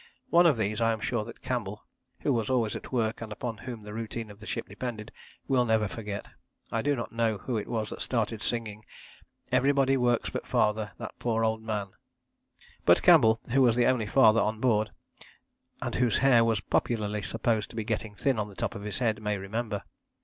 One of these I am sure that Campbell, who was always at work and upon whom the routine of the ship depended, will never forget. I do not know who it was that started singing "Everybody works but Father, That poor old man," but Campbell, who was the only father on board and whose hair was popularly supposed to be getting thin on the top of his head, may remember.